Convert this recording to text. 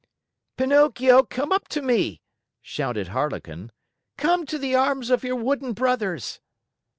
"Pinocchio, come up to me!" shouted Harlequin. "Come to the arms of your wooden brothers!"